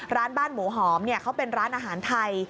ร้านบ้านหมูหอมเขาเป็นร้านอาหารไทย